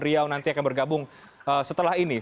riau nanti akan bergabung setelah ini